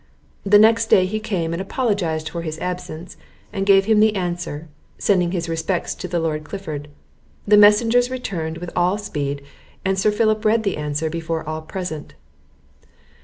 The next day he came and apologized for his absence, and gave him the answer; sending his respects to the Lord Clifford. The messengers returned with all speed, and Sir Philip read the answer before all present.